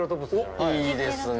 おっいいですね。